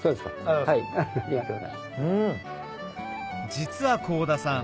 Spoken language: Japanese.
実は甲田さん